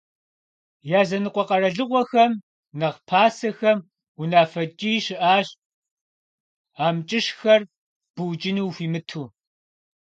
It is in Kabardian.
Языныкъуэ къэралыгъуэхэм нэхъ пасэхэм унафэ ткӀий щыӀащ амкӀыщхэр букӀыну ухуимыту.